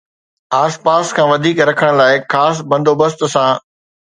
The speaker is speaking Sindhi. آس پاس کان وڌيڪ رکڻ لاءِ خاص بندوبست سان